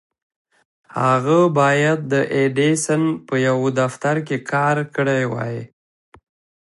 هغه بايد د ايډېسن په يوه دفتر کې کار کړی وای.